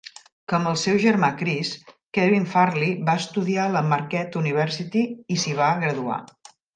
Com el seu germà Chris, Kevin Farley va estudiar a la Marquette University i s'hi va graduar.